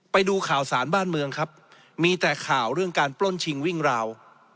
ไปดูข่าวสารบ้านเมืองครับมีแต่ข่าวเรื่องการปล้นชิงวิ่งราว